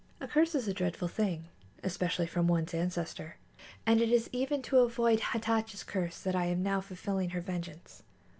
A curse is a dreadful thing, especially from one's ancestor, and it is even to avoid Hatatcha's curse that I am now fulfilling her vengeance.